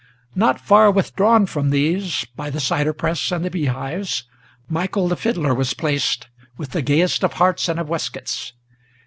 Not far withdrawn from these, by the cider press and the beehives, Michael the fiddler was placed, with the gayest of hearts and of waistcoats.